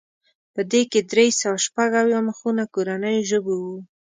په دې کې درې سوه شپږ اویا مخونه کورنیو ژبو وو.